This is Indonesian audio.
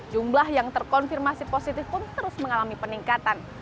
jumlah yang terkonfirmasi positif pun terus mengalami peningkatan